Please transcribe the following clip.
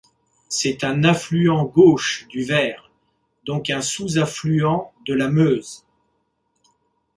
C'est un affluent gauche du Vair, donc un sous-affluent de la Meuse.